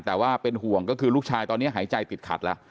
แต่ว่าเป็นห่วงก็คือลูกชายตอนนี้หายใจติดขัดแล้ว